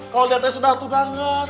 kalau dia teh sudah tunangan